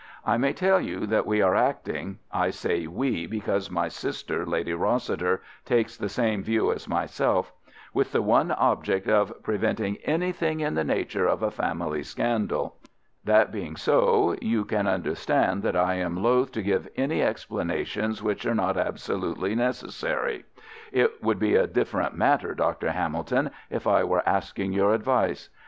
I may tell you that we are acting—I say 'we,' because my sister, Lady Rossiter, takes the same view as myself—with the one object of preventing anything in the nature of a family scandal. That being so, you can understand that I am loth to give any explanations which are not absolutely necessary. It would be a different matter, Dr. Hamilton, if I were asking your advice.